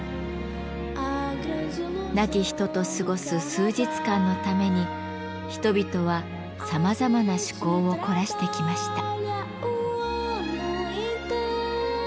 亡き人と過ごす数日間のために人々はさまざまな趣向を凝らしてきました。